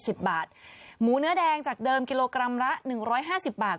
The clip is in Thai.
สิบบาทหมูเนื้อแดงจากเดิมกิโลกรัมละหนึ่งร้อยห้าสิบบาท